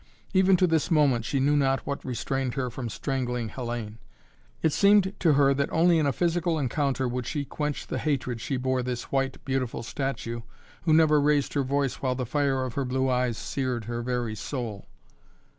Even to this moment she knew not what restrained her from strangling Hellayne. It seemed to her that only in a physical encounter could she quench the hatred she bore this white, beautiful statue who never raised her voice while the fire of her blue eyes seared her very soul.